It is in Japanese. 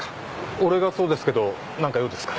俺がそうですけど何か用ですかね？